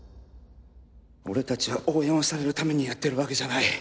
俺達は応援をされるためにやってるわけじゃない